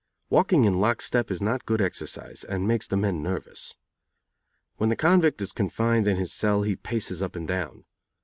Walking in lock step is not good exercise, and makes the men nervous. When the convict is confined in his cell he paces up and down.